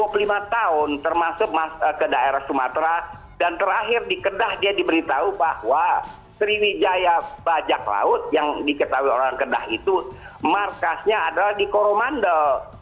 karena dua puluh lima tahun termasuk ke daerah sumatera dan terakhir di kedah dia diberitahu bahwa sriwijaya bajak laut yang diketahui orang kedah itu markasnya adalah di koromandel